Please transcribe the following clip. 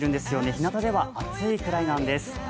日なたでは暑いくらいなんです。